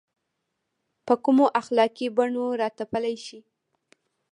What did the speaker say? په کومو اخلاقي بڼو راتپلی شي.